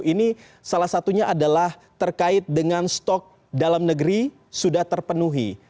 ini salah satunya adalah terkait dengan stok dalam negeri sudah terpenuhi